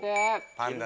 パンダ。